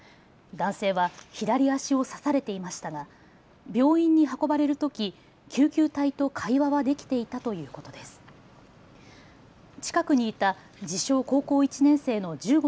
男性は左足を刺されていましたが病院に運ばれるとき救急隊と会話はできていたということです。